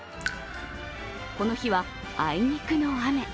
この日はあいにくの雨。